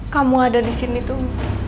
kamu ada di sini tuh